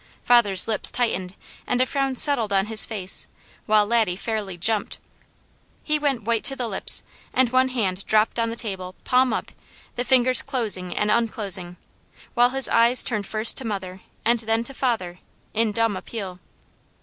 Father's lips tightened and a frown settled on his face, while Laddie fairly jumped. He went white to the lips, and one hand dropped on the table, palm up, the fingers closing and unclosing, while his eyes turned first to mother, and then to father, in dumb appeal.